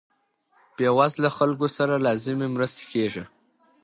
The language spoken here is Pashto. بې وزله خلکو سره لازمې مرستې کیږي.